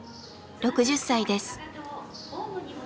６０歳です。